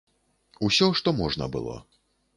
Усё, што можна было.